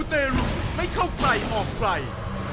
มูเตรุไม่เข้าใกล้ออกไกล